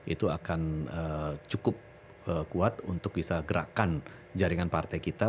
itu akan cukup kuat untuk bisa gerakan jaringan partai kita